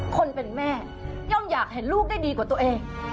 คนเป็นแม่ย่อมอยากเห็นลูกได้ดีกว่าตัวเอง